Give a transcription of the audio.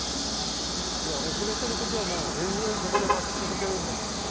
遅れてるときはもう延々ここで待ち続けるんです。